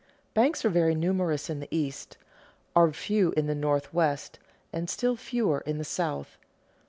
Banks are very numerous in the East, are few in the Northwest, and still fewer in the South.